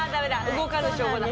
動かぬ証拠だ。